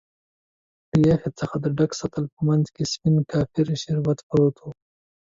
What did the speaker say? له یخی څخه د ډک سطل په مینځ کې سپین کاپري شربت پروت و.